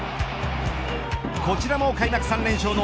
こちらも開幕３連勝